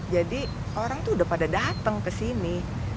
jadi orang itu sudah pada datang ke sini